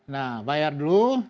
nah bayar dulu